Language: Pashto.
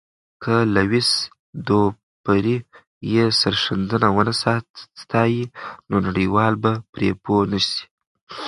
که لويس دوپري یې سرښندنه ونه ستایي، نو نړیوال به پرې پوه نه سي.